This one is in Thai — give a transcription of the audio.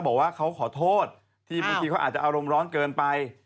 บอกว่าเขาขอโทษที่บางทีเขาอาจจะอารมณ์ร้อนเกินไป